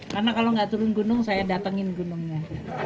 karena kalau nggak turun gunung saya datengin gunungnya